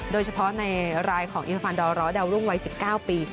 โดยเฉพาะในรายของอิมฟานดอร้อดาวรุ่งวัย๑๙ปี